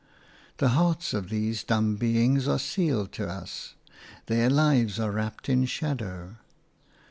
The hearts of these dumb beings are sealed to us; their lives are wrapped in shadow.